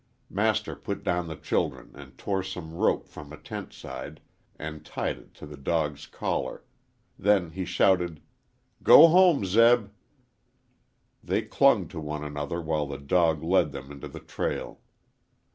Master put down the children and tore some rope from a tent side and tied it to the dog's collar. Then he shouted, "Go home, Zeb!" They clung to one another while the dog led them into the trail.